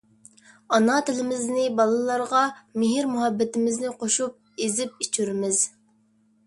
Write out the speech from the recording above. ئانا تىلىمىزنى بالىلارغا مېھىر-مۇھەببىتىمىزنى قوشۇپ ئېزىپ ئىچۈرىمىز.